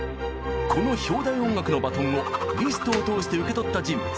この「標題音楽」のバトンをリストを通して受け取った人物。